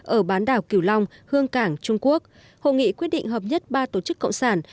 ở bán đảo kiểu long hương cảng trung quốc hội nghị quyết định hợp nhất ba tổ chức cộng sản